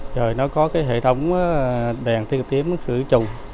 rồi nó có cái hệ thống đèn tiên tiến khử trùng